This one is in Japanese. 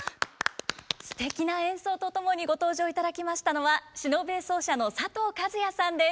すてきな演奏と共にご登場いただきましたのは篠笛奏者の佐藤和哉さんです。